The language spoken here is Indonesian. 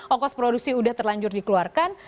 ongkos produksi sudah terlanjur dikeluarkan